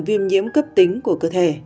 viêm nhiễm cấp tính của cơ thể